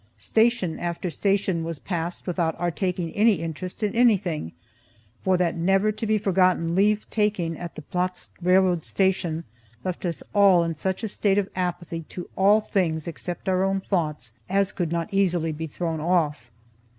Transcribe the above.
Station after station was passed without our taking any interest in anything, for that never to be forgotten leave taking at the Plotzk railway station left us all in such a state of apathy to all things except our own thoughts as could not easily be thrown off.